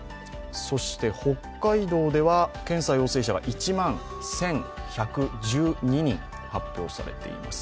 そして、北海道では検査陽性者が１万１１１２人発表されています。